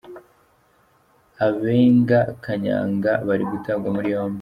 Abenga kanyanga bari gutabwa muri yombi